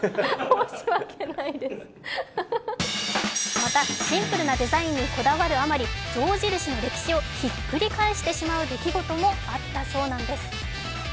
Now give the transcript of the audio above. またシンプルなデザインにこだわるあまり象印の歴史をひっくり返してしまう出来事もあったそうなんです。